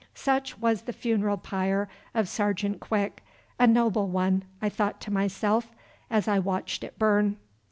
Such was the funeral pyre of Sergeant Quick, a noble one, I thought to myself, as I watched it burn.